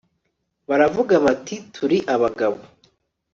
baravuga bati turi abagabo